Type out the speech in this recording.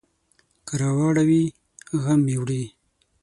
که راواړوي، غم مې وړي.